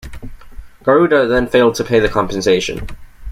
Garuda then failed to pay the compensation.